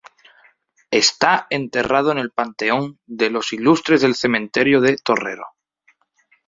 Está enterrado en el Panteón de los Ilustres del cementerio de Torrero.